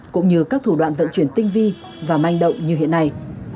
cũng như các thủ đoạn vận chuyển tinh vi và manh động như hiện nay